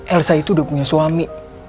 elsa itu udah punya suami